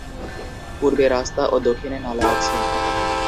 পূর্বে রাস্তা এবং দক্ষিণে নালা আছে।